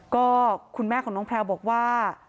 ก็คุณแม่ของน้องแพลวบอกว่า